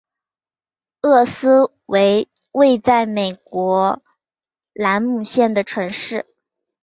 厄斯为位在美国兰姆县的城市。